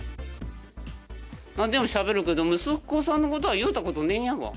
なんでもしゃべるけど、息子さんのことは言うたことねえんやわ。